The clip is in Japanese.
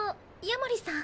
夜守さん。